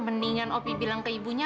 mendingan opi bilang ke ibunya